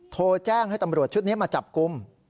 โทรแจ้งให้ตำรวจชุดนี้มาจับกลุ่ม